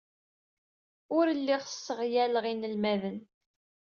Ur lliɣ sseɣyaleɣ inelmaden.